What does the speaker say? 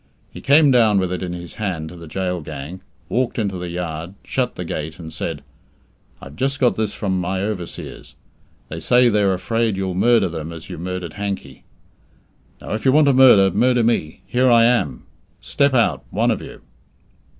He came down with it in his hand to the gaol gang, walked into the yard, shut the gate, and said, "I've just got this from my overseers. They say they're afraid you'll murder them as you murdered Hankey. Now, if you want to murder, murder me. Here I am. Step out, one of you."